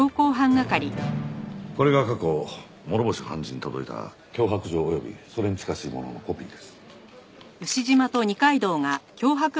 これが過去諸星判事に届いた脅迫状及びそれに近しいもののコピーです。